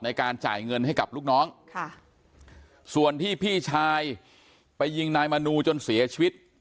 ในการจ่ายเงินให้กับลูกน้องค่ะส่วนที่พี่ชายไปยิงนายมนูจนเสียชีวิต